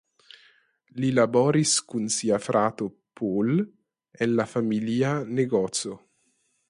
Li laboris kun sia frato Paul en la familia negoco.